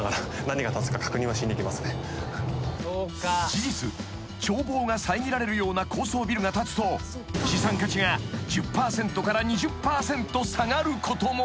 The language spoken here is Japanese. ［事実眺望が遮られるような高層ビルが建つと資産価値が１０％から２０％下がることも］